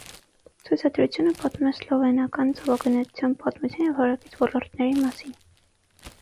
Ցուցադրությունը պատմում է սլովենական ծովագնացության պատմության և հարակից ոլորտների մասին։